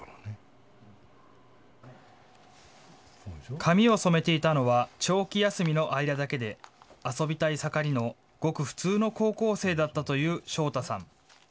髪を染めていたのは長期休みの間だけで、遊びたい盛りのごく普通の高校生だったという将太さん。